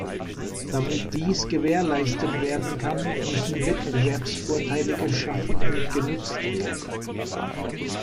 Damit dies gewährleistet werden kann, müssen Wettbewerbsvorteile geschaffen und genutzt werden.